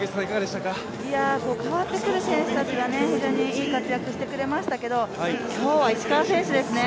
替わってくる選手たちが非常にいい活躍をしてくれましたけど今日は石川選手ですね。